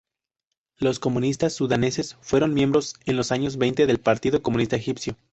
Los comunistas sudaneses fueron miembros en los años veinte del Partido Comunista Egipcio.